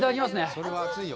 それは熱いよ。